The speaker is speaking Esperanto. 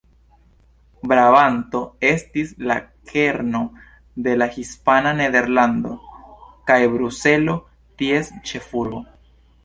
Brabanto estis la kerno de la hispana Nederlando, kaj Bruselo ties ĉefurbo.